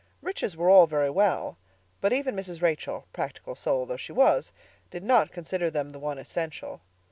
Riches were all very well; but even Mrs. Rachel, practical soul though she was, did not consider them the one essential.